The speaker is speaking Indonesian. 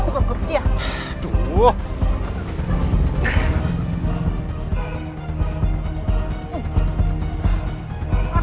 kita pulang aja ma